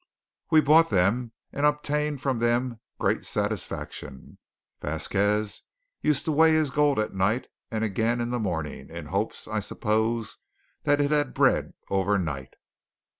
We bought them, and obtained from them great satisfaction. Vasquez used to weigh his gold at night, and again in the morning, in hopes, I suppose, that it had bred overnight.